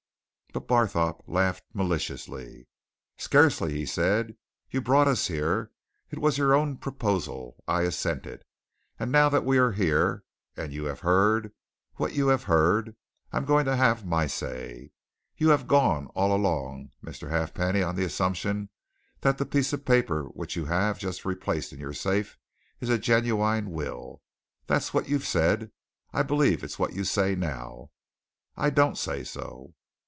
But Barthorpe laughed, maliciously. "Scarcely!" he said. "You brought us here. It was your own proposal. I assented. And now that we are here, and you have heard what you have heard I'm going to have my say. You have gone, all along, Mr. Halfpenny, on the assumption that the piece of paper which you have just replaced in your safe is a genuine will. That's what you've said I believe it's what you say now. I don't say so!"